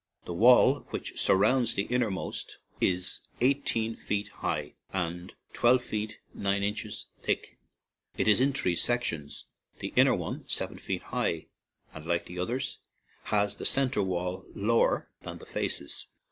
The wall which surrounds the innermost is eighteen feet high and twelve feet nine inches thick; it is in three 109 ON AN IRISH JAUNTING CAR sections, the inner one seven feet high, and, like the others, has the centre wall lower than the faces.